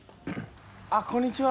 あっこんにちは。